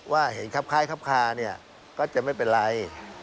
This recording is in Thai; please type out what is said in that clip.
ว่าเห็นคับคล้ายคับคาก็จะไม่เป็นไร